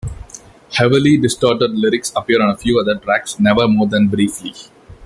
Heavily distorted lyrics appear on a few other tracks, never more than briefly.